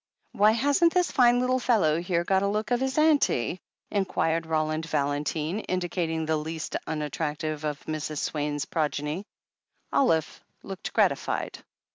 "Why, hasn't this fine little fellow here got a look of his aimtie?" inquired Roland Valentine, indicating the least unattractive of Mrs. Swaine's progeny. Olive looked gratified.